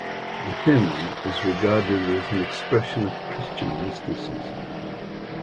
The hymn is regarded as an expression of Christian mysticism.